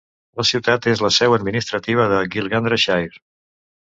La ciutat és la seu administrativa de Gilgandra Shire.